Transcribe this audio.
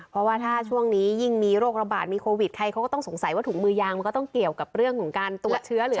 เพราะว่าถ้าช่วงนี้ยิ่งมีโรคระบาดมีโควิดใครเขาก็ต้องสงสัยว่าถุงมือยางมันก็ต้องเกี่ยวกับเรื่องของการตรวจเชื้อหรือ